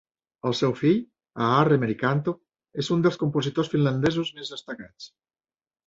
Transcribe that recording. El seu fill, Aarre Merikanto, és un dels compositors finlandesos més destacats.